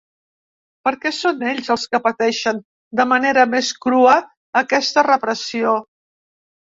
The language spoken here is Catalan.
Perquè són ells els que pateixen de manera més crua aquesta repressió.